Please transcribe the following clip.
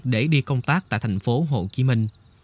để đi công tác tại thành phố hồ chí minh